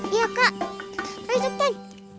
iya kak resepten